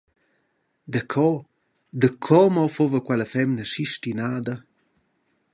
Daco, daco mo fuva quella femna aschi stinada?